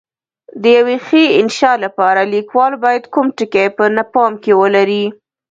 د یوې ښې انشأ لپاره لیکوال باید کوم ټکي په پام کې ولري؟